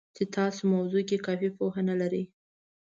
چې تاسې موضوع کې کافي پوهه نه لرئ